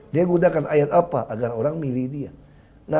dia gunakan ayat apa agar orang milih dia